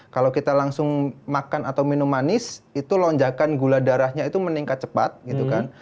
kalau kita langsung makan atau minum manis itu lonjakan gula darahnya itu meningkat cepat gitu kan